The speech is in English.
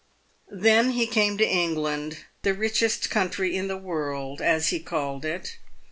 Then he came to England — the richest country in the world, as he called it.